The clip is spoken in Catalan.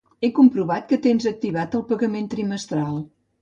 He comprovat que tens activat el pagament trimestral.